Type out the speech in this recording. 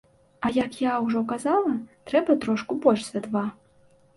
А як я ўжо казала, трэба трошку больш за два.